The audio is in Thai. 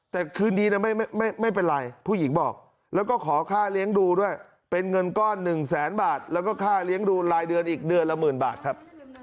แต่คืนดีนะไม่เป็นไรผู้หญิงบอกแล้วก็ขอค่าเลี้ยงดูด้วยเป็นเงินก้อนหนึ่งแสนบาทแล้วก็ค่าเลี้ยงดูรายเดือนอีกเดือนละหมื่นบาทครับ